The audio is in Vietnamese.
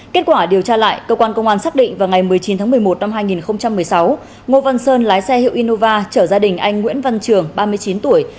kết quả điều tra lại cơ quan công an xác định vào ngày một mươi chín tháng một mươi một năm hai nghìn một mươi sáu ngô văn sơn lái xe hiệu innova trở gia đình anh nguyễn văn trường ba mươi chín tuổi